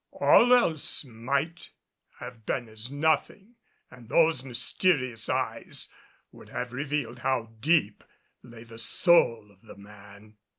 All else might have been as nothing and those mysterious eyes would have revealed how deep lay the soul of the man.